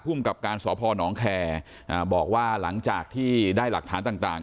ผู้มกับการสอบภอน้องแคร์บอกว่าหลังจากที่ได้หลักฐานต่าง